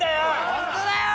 本当だよ！